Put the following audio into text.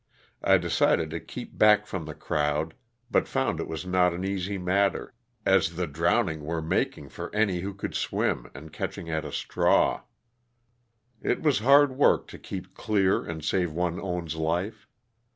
I decided to keep back from the crowd, but found it was not an easy matter, as the drowning were making for any who could swim, and catching at a straw. It was hard work to keep clear and save one's own life.